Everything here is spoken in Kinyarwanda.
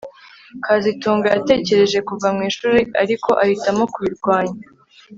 kazitunga yatekereje kuva mu ishuri ariko ahitamo kubirwanya